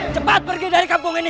cepat pergi dari kampung ini